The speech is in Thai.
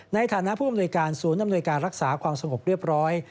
ในฐานะผู้อำนวยการศูนย์อำนวยการรักษาความสงบเรียบร้อย